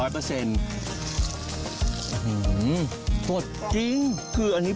ธรรมชาติธรรมชาติธรรมชาติ